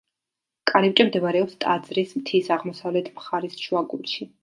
კარიბჭე მდებარეობს ტაძრის მთის აღმოსავლეთ მხარის შუაგულში.